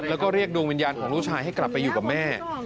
แล้วก็เรียกดวงวิญญาณของลูกชายให้กลับไปอยู่กับแม่